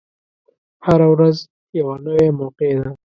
هره ورځ یوه نوی موقع ده.